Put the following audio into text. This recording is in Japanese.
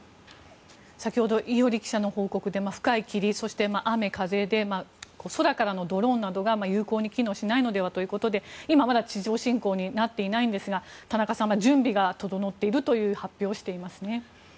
先ほど、伊従記者の報告で深い霧そして雨風で空からのドローンなどが有効に機能しないのではということで今はまだ地上侵攻になっていないんですが田中さん、準備が整っているという発表をしていますね。